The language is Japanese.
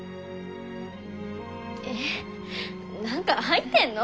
何か入ってんの？